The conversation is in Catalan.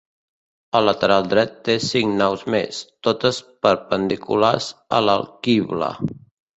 Al lateral dret, té cinc naus més, totes perpendiculars a l'alquibla.